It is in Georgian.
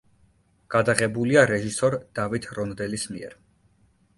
გადაღებულია რეჟისორ დავით რონდელის მიერ.